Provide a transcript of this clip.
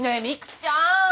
ちゃん！